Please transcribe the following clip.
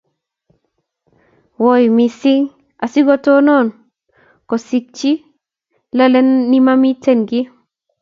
Wiy mising asigotonon kosigchi lole nimamiten giy